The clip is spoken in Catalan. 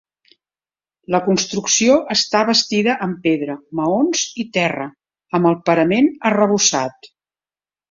La construcció està bastida amb pedra, maons i terra, amb el parament arrebossat.